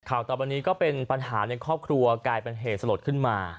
ต่อไปนี้ก็เป็นปัญหาในครอบครัวกลายเป็นเหตุสลดขึ้นมา